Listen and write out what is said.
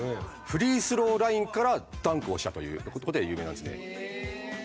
フリースローラインからダンクをしたという事で有名なんですね。